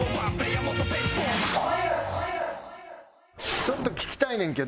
ちょっと聞きたいねんけど。